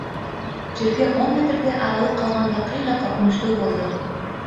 Жерге он метрдей аралык калганда кыйла коркунучтуу болду.